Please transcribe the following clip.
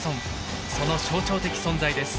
その象徴的存在です。